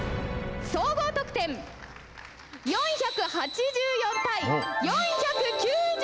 総合得点４８４対４９６！